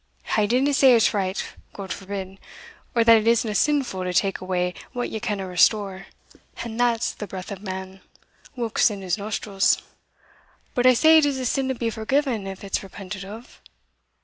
I dinna say it's right God forbid or that it isna sinfu' to take away what ye canna restore, and that's the breath of man, whilk is in his nostrils; but I say it is a sin to be forgiven if it's repented of.